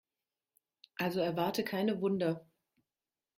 Also erwarte keine Wunder.